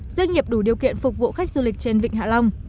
doanh nghiệp đủ điều kiện phục vụ khách du lịch trên vịnh hạ long